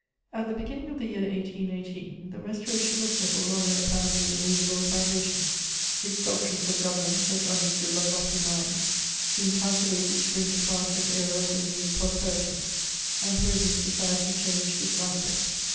At the beginning of the year 1818 the Restoration was settled on an apparently immovable foundation; its doctrines of government, as understood by lofty minds, seemed calculated to bring to France an era of renewed prosperity, and Parisian society changed its aspect.